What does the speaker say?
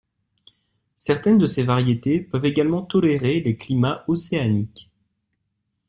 Certaines de ses variétés peuvent également tolérer les climats océaniques.